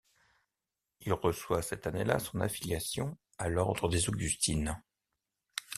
Il reçoit cette année-là son affiliation à l’ordre des augustines.